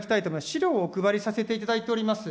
資料をお配りさせていただいております。